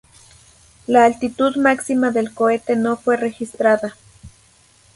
La altitud máxima del cohete no fue registrada.